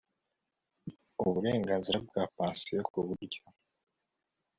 uburenganzira bwa pansiyo ku buryo